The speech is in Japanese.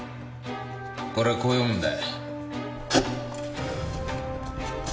これはこう読むんだ。